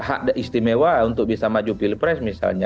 hak istimewa untuk bisa maju pilpres misalnya